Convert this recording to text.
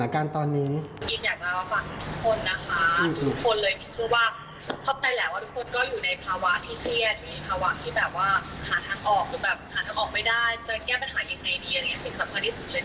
เพราะตอนนี้งุ่มกำลังฮอลลายจนก็ไม่ได้แบบไม่ต้องเสียค่าใช้จ่าย